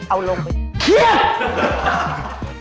เอาลงไปเคี๊ยบ